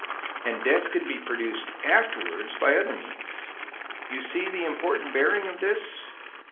And death could be produced afterwards by other means. You see the important bearing of this?"